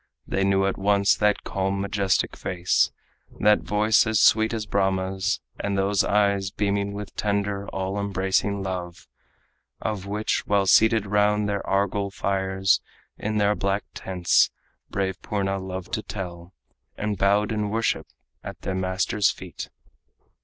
They knew at once that calm, majestic face, That voice as sweet as Brahma's, and those eyes Beaming with tender, all embracing love, Of which, while seated round their argol fires In their black tents, brave Purna loved to tell, And bowed in worship at the master's feet.